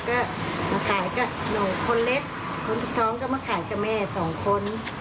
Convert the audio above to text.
ก็มาขายกับหนูคนเล็กคนที่ท้องก็มาขายกับแม่สองคน